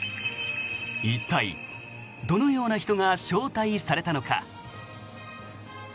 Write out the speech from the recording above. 一体、どのような人が招待されたのか。